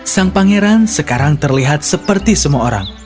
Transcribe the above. sang pangeran sekarang terlihat seperti semua orang